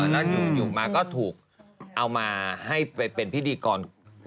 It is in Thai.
แล้วอยู่มาก็ถูกเอามาให้ไปเป็นพิธีกร